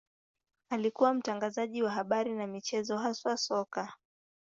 Alikuwa mtangazaji wa habari na michezo, haswa soka.